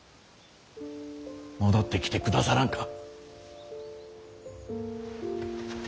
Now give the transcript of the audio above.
戻ってきてくださらんか。